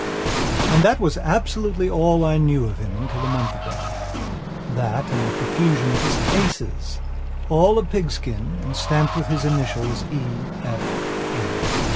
And that was absolutely all that I knew of him until a month agothat and the profusion of his cases, all of pigskin and stamped with his initials, E. F. A.